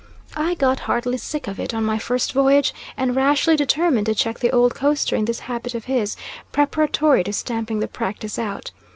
I got heartily sick of it on my first voyage out, and rashly determined to check the old coaster in this habit of his, preparatory to stamping the practice out.